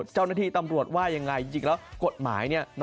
เจ้าหน้าที่ตำรวจว่ายังไงจริงแล้วกฎหมายเนี่ย